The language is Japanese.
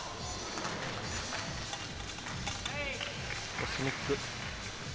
コスミック。